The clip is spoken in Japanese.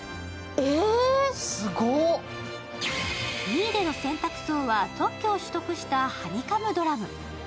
ミーレの洗濯槽は特許を取得したハニカムドラム。